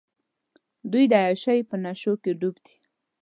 دوۍ د عیاشۍ په نېشوکې ډوب دي.